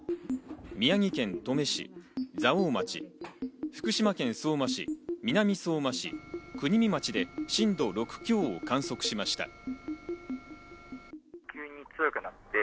宮城県登米市蔵王町、福島県相馬市、南相馬市、国見町で震度６強を観測しました。